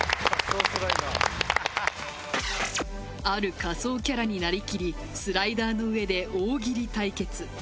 ある仮装キャラになりきりスライダーの上で大喜利対決。